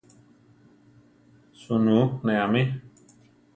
Suunú ne amí.